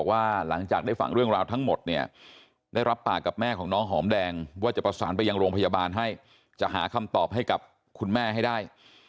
ว่าหลังจากได้ฟังเรื่องราวทั้งหมดเนี่ยได้รับปากกับแม่ของน้องหอมแดงว่าจะประสานไปยังโรงพยาบาลให้จะหาคำตอบให้กับคุณแม่ให้ได้